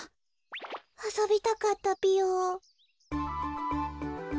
あそびたかったぴよ。